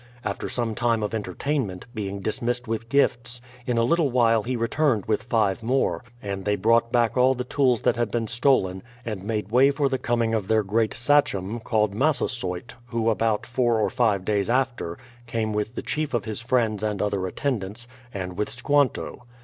After some time of en tertainment, being dismissed with gifts. In a little while he returned with five more, and they brought back all the tools that had been stolen, and made way for the coming of their great Sachem, called Massasoyt, who about four or five days after, came with the chief of his friends and other attendants, and with Squanto.